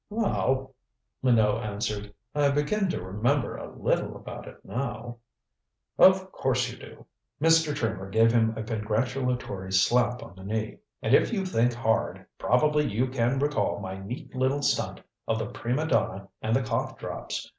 "Well," Minot answered, "I begin to remember a little about it now." "Of course you do." Mr. Trimmer gave him a congratulatory slap on the knee. "And if you think hard, probably you can recall my neat little stunt of the prima donna and the cough drops.